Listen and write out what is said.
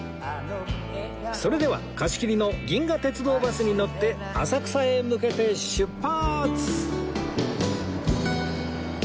それでは貸し切りの銀河鉄道バスに乗って浅草へ向けて出発！